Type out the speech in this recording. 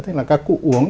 thế là các cụ uống